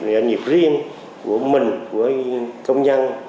doanh nghiệp riêng của mình của công nhân